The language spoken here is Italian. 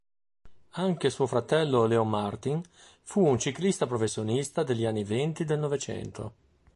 Anche suo fratello Léon Martin fu un ciclista professionista degli anni venti del novecento.